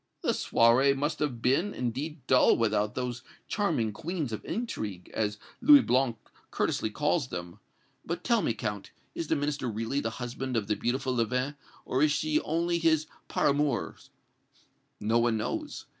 "The soirée must have been, indeed, dull without those 'charming queens of intrigue,' as Louis Blanc courteously calls them. But tell me, Count, is the Minister really the husband of the beautiful Leven, or is she only his par amours?" "No one knows.